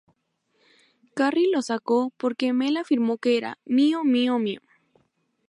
Carrie lo sacó porque Mel afirmó que era "mío, mío, mío".